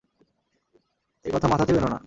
একথা মাথাতেও এনো না।